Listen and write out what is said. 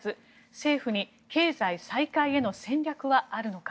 政府に経済再開への戦略はあるのか。